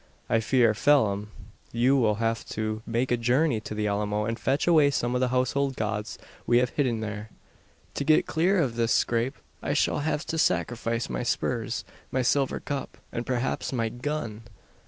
I fear, Phelim, you will have to make a journey to the Alamo, and fetch away some of the household gods we have hidden there. To get clear of this scrape I shall have to sacrifice my spurs, my silver cup, and perhaps my gun!"